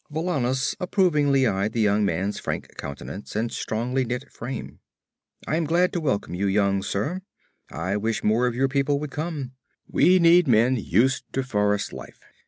Valannus approvingly eyed the young man's frank countenance and strongly knit frame. 'I am glad to welcome you, young sir. I wish more of your people would come. We need men used to forest life.